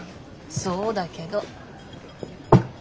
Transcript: そうだけど。